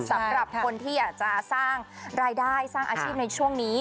สำหรับคนที่อยากจะสร้างรายได้สร้างอาชีพในช่วงนี้